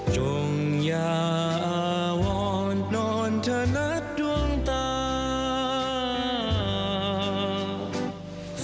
จงอย่าอาว่อนนอนถนัดดวงตา